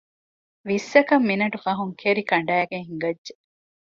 ވިއްސަކަށް މިނެޓު ފަހުން ކެރިކަނޑައިގެން ހިނގައްޖެ